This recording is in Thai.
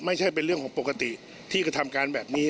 ไม่ใช่เป็นเรื่องของปกติที่กระทำการแบบนี้